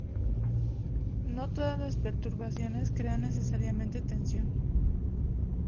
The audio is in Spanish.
No todas las perturbaciones crean necesariamente tensión.